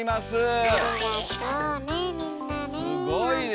すごい！